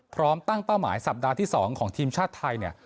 พร้อมตั้งเป้าหมายสัปดาห์ที่๒ของทีมชาติไทยเนี่ย